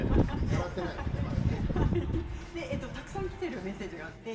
たくさんきているメッセージがあります。